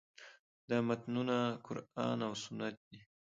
دا متنونه قران او سنت دي.